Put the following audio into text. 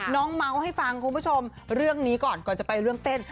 เมาส์ให้ฟังคุณผู้ชมเรื่องนี้ก่อนก่อนจะไปเรื่องเต้น